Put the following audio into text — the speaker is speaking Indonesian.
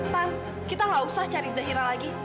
pan kita gak usah cari zahira lagi